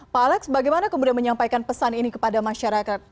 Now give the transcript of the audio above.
pak alex bagaimana kemudian menyampaikan pesan ini kepada masyarakat